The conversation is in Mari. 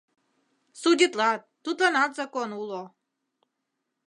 Судитлат, тудланат закон уло.